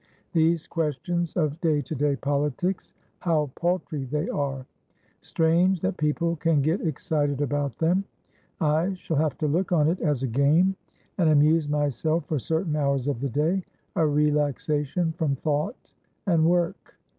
These questions of day to day politics, how paltry they are! Strange that people can get excited about them. I shall have to look on it as a game, and amuse myself for certain hours of the daya relaxation from thought and work.